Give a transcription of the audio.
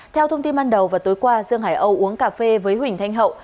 theo thông tin ban đầu vào tối qua dương hải âu uống cà phê với huỳnh thanh hậu